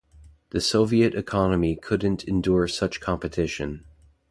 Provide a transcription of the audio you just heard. The Soviet economy couldn't endure such competition.